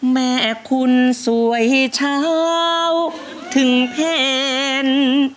แม่คุณสวยเช้าถึงเพลง